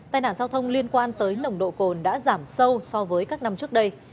tai nạn giao thông liên quan tới nồng độ cồn đã giảm sâu so với các năm trước đây